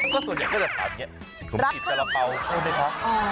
ก็ส่วนใหญ่ก็จะตามอย่างเงี้ยหนุ่มจีบสระเป๋าเข้าได้เพราะ